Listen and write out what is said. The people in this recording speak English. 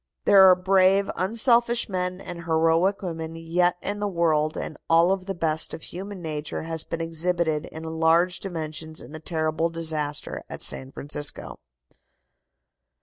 There are brave, unselfish men and heroic women yet in the world, and all of the best of human nature has been exhibited in large dimensions in the terrible disaster at San Francisco.